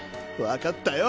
分かったよ！